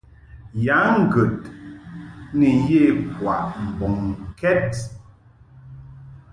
Ya ŋgəd ni ye kwaʼ mbɔŋkɛd.